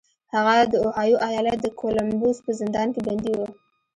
هغه د اوهایو ایالت د کولمبوس په زندان کې بندي و